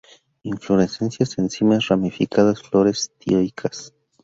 Inflorescencias en cimas ramificadas, flores dioicas.